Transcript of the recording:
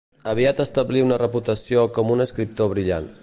Aviat establí una reputació com un escriptor brillant.